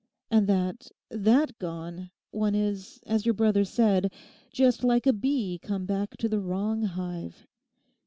And that that gone, one is, as your brother said, just like a bee come back to the wrong hive.